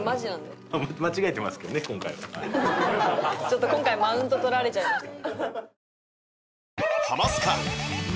ちょっと今回マウント取られちゃいました。